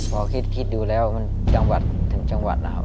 พอคิดดูแล้วมันจังหวัดถึงจังหวัดนะครับ